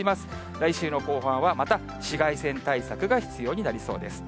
来週の後半はまた紫外線対策が必要になりそうです。